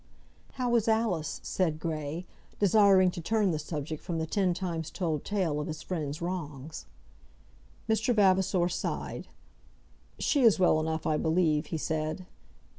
"How is Alice?" said Grey, desiring to turn the subject from the ten times told tale of his friend's wrongs. Mr. Vavasor sighed. "She is well enough, I believe," he said.